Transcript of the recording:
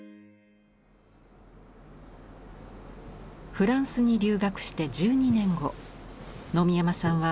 フランスに留学して１２年後野見山さんは日本へ帰国。